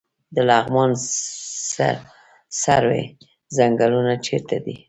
د لغمان سروې ځنګلونه چیرته دي؟